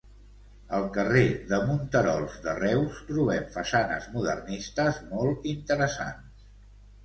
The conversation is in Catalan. Al Carrer de Monterols de Reus, trobem façanes modernistes molt interessants.